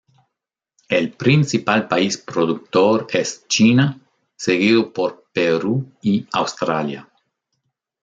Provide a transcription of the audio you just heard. El principal país productor es China, seguido por Perú y Australia.